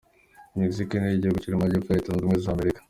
Mexique ni igihugu kiri mu Majyepfo ya Leta Zunze Ubumwe za Amerika.